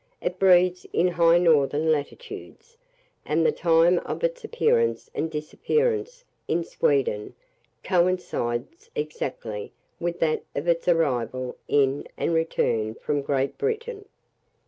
It breeds in high northern latitudes, and the time of its appearance and disappearance in Sweden coincides exactly with that of its arrival in and return from Great Britain.